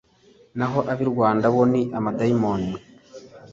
naho ab’i Rwanda bo ni abadayimoni